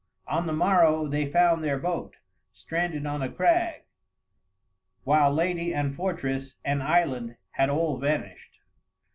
On the morrow they found their boat, stranded on a crag, while lady and fortress and island had all vanished.